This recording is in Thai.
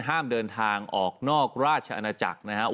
ห้ามเดินทางออกนอกราชอาณาจักรนะครับ